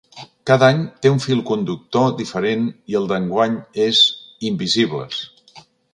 Cada any té un fil conductor diferent i el d’enguany és ‘Invisisbles’.